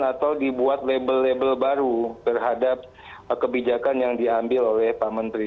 atau dibuat label label baru terhadap kebijakan yang diambil oleh pak menteri